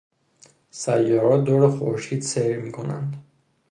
سیارات دور خورشید سیر میکنند.